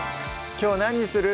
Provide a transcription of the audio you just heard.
きょう何にする？